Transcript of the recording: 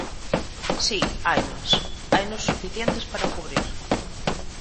Si, hainos, hainos suficientes para cubrir.